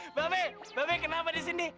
mbak be mbak be kenapa disini